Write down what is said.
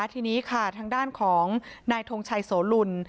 ทีนี้ค่ะทางด้านของนายทงชัยโสลุล